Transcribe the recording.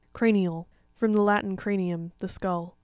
Cra'nraL.—From the Latin, cranium, the skull.